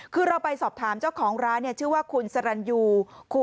คือเราไปสอบถามเจ้าของร้านชื่อว่าคุณสรรยู